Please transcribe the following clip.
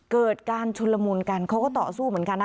เกิดการชุนละมุนกันเขาก็ต่อสู้เหมือนกันนะ